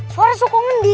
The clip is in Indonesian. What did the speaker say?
suara sokongan di